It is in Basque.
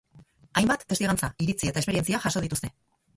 Hainbat testigantza, iritzi eta esperientzia jaso dituzte.